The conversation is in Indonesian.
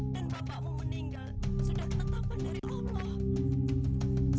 dan bapakmu meninggal sudah tetapan dari allah